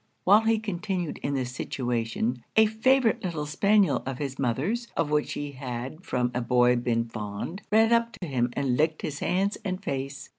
While he continued in this situation, a favourite little spaniel of his mother's, of which he had from a boy been fond, ran up to him and licked his hands and face.